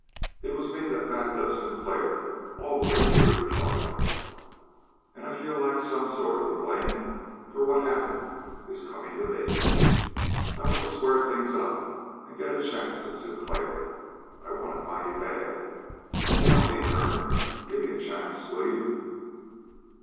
It was me that backed up Sinclair all the way through the trail, and I feel like some of the blame for what happened is coming to me. I want to square things up and get a chance at Sinclair. I want it mighty bad. You know me, Kern. Gimme a chance, will you?"